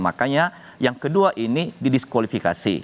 makanya yang kedua ini didiskualifikasi